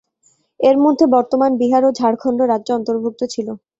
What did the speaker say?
এর মধ্যে বর্তমান বিহার ও ঝাড়খণ্ড রাজ্য অন্তর্ভুক্ত ছিল।